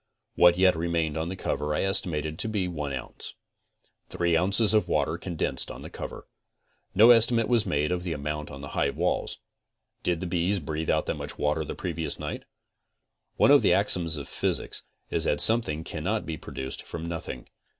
What yet remained on the cover I estimated to be one ounce. Three ounces of water con densed on the cover. No estimate was made of the amount on the hive walls. Did the bees breathe out that much water the previous night? ™ One of the axioms of physics is that something cannot be produced from nothing.